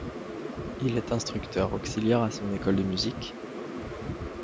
Il est instructeur auxiliaire à son école de musique.